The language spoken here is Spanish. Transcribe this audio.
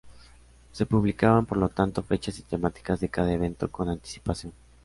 Se publicaban, por lo tanto, fechas y temáticas de cada evento con anticipación.